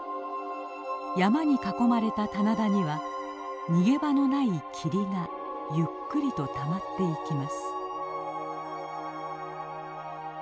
山に囲まれた棚田には逃げ場のない霧がゆっくりとたまっていきます。